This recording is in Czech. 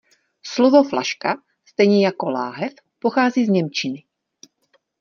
Slovo flaška, stejně jako láhev, pochází z němčiny.